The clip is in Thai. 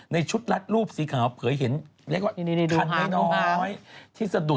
ชุดรัดรูปสีขาวเผยเห็นเรียกว่าคันน้อยที่สะดุด